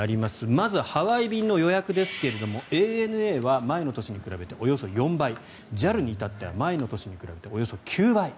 まず、ハワイ便の予約ですがＡＮＡは前の年に比べておよそ４倍ＪＡＬにいたっては前の年に比べておよそ９倍。